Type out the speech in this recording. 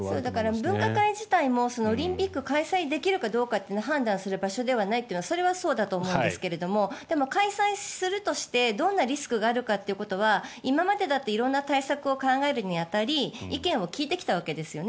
分科会自体もオリンピック開催できるかどうか判断する場所ではないというのはそれはそうだと思うんですがでも開催するとしてどんなリスクがあるかということは今までだって色んな対策を考えるに当たり意見を聞いてきたわけですよね。